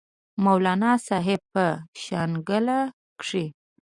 مولانا صاحب پۀ شانګله کښې